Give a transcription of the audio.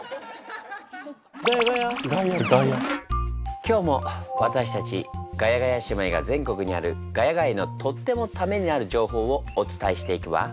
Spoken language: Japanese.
今日も私たちガヤガヤ姉妹が全国にある「ヶ谷街」のとってもタメになる情報をお伝えしていくわ。